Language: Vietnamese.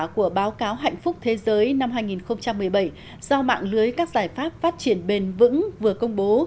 của báo cáo hạnh phúc thế giới năm hai nghìn một mươi bảy do mạng lưới các giải pháp phát triển bền vững vừa công bố